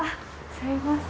すいません